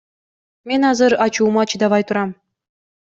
Мен азыр ачуума чыдабай турам.